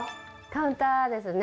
カウンターですね。